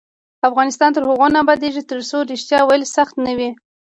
افغانستان تر هغو نه ابادیږي، ترڅو ریښتیا ویل سخت نه وي.